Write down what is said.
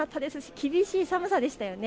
厳しい寒さでしたね。